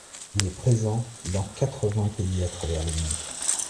Il est présent dans quatre-vingts pays à travers le monde.